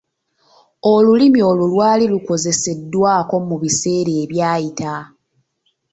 Olulimi olwo lwali lukozeseddwako mu biseera ebyayita.